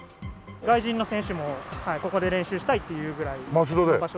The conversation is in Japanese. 外人の選手もここで練習したいっていうぐらいの場所で。